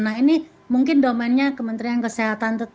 nah ini mungkin domennya kementerian kesehatan